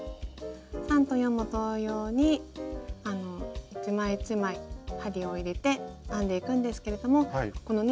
３と４も同様に一枚一枚針を入れて編んでいくんですけれどもこのね